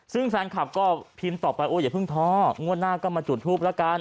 ซึ่งแฟนคลับก็พิมพ์ต่อไปโอ้อย่าเพิ่งท้องวดหน้าก็มาจุดทูปละกัน